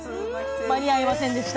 間に合いませんでした。